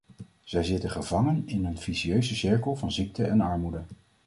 Zij zitten gevangen in een vicieuze cirkel van ziekte en armoede.